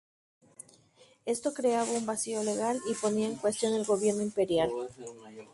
Esto creaba un vacío legal y ponía en cuestión el gobierno imperial.